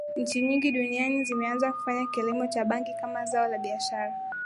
Nchi nyingi duniani zimeanza kufanya kilimo Cha bangi Kama zao la biashara